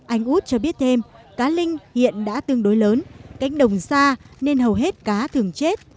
anh út cho biết thêm cá linh hiện đã tương đối lớn cánh đồng xa nên hầu hết cá thường chết